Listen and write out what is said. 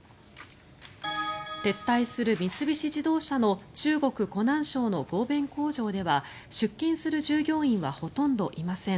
撤退する三菱自動車の中国・湖南省の合弁工場では出勤する従業員はほとんどいません。